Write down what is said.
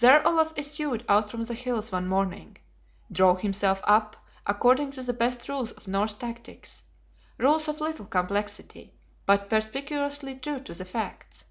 There Olaf issued out from the hills one morning: drew himself up according to the best rules of Norse tactics, rules of little complexity, but perspicuously true to the facts.